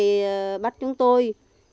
thì bắt chúng tôi